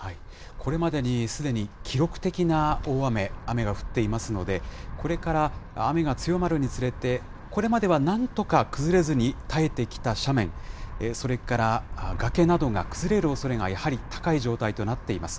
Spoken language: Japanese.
これまでにすでに記録的な大雨、雨が降っていますので、これから雨が強まるにつれて、これまではなんとか崩れずに耐えてきた斜面、それから崖などが崩れるおそれがやはり高い状態となっています。